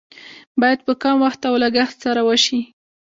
باید په کم وخت او لګښت سره وشي.